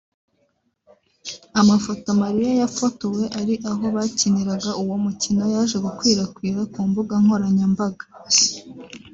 Amafoto Malia yafotowe ari aho bakiniraga uwo mukino yaje gukwirakwira ku mbuga nkoranyambaga